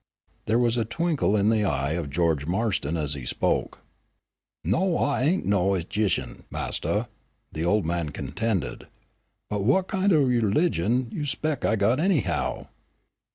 There was a twinkle in the eye of George Marston as he spoke. "No, I ain' no 'gician, Mastah," the old man contended. "But what kin' o' u'ligion you spec' I got anyhow?